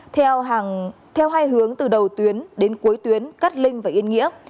theo hai hướng từ đầu tuyến đến cuối tuyến cát linh và yên nghĩa